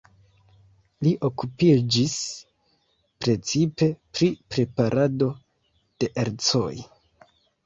Li okupiĝis precipe pri preparado de ercoj.